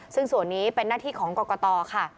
ซึ่งส่วนนี้เป็นหน้าที่ของกรกตค่ะ